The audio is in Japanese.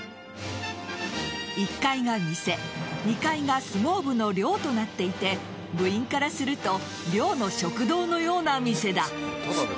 １階が店２階が相撲部の寮となっていて部員からすると寮の食堂のような店だ。